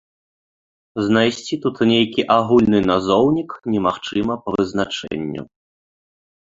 Знайсці тут нейкі агульны назоўнік немагчыма па вызначэнню.